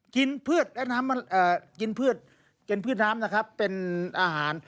กินพืชน้ำเป็นอาหาร